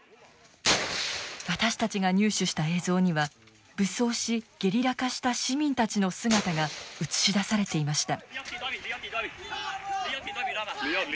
私たちが入手した映像には武装しゲリラ化した市民たちの姿が映し出されていました。